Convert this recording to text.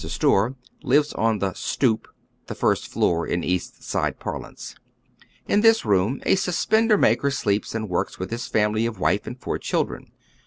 =,Googk THE SWEATEES OF JEWTOWN. 131 store, lives on the " stoop," the first floor in East Side parlance. In this room a suspender maker sleeps and works with his family of wife and four children.